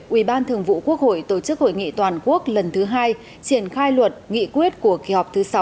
ubthqh tổ chức hội nghị toàn quốc lần thứ hai triển khai luật nghị quyết của kỳ họp thứ sáu